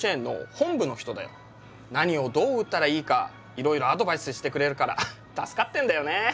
何をどう売ったらいいかいろいろアドバイスしてくれるから助かってんだよね。